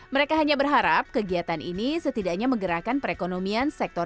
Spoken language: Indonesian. mereka hanya berharap kegiatan ini setidaknya menggerakkan perekonomian sektor